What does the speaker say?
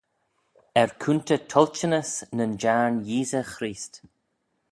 Er coontey toilçhynys nyn Jiarn Yeesey Chreest.